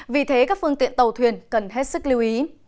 vì thế các phương tiện tàu thuyền cần hết sức lưu ý